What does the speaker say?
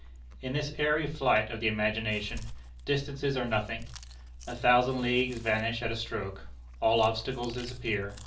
In this airy flight of the imagination, distances are nothing. A thousand leagues vanish at a stroke. All obstacles disappear.